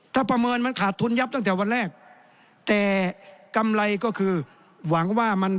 ถ้าประเมินมันขาดทุนยับตั้งแต่วันแรกแต่กำไรก็คือหวังว่ามัน